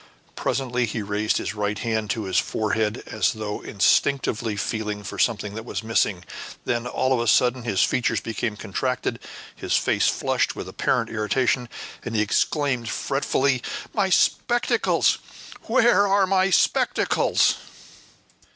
Presently he raised his right hand to his forehead as though instinctively feeling for something that was missing; then, all of a sudden, his features became contracted, his face flushed with apparent irritation, and he exclaimed fretfully, "My spectacles! where are my spectacles?"